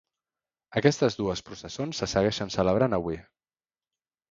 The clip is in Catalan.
Aquestes dues processons se segueixen celebrant avui.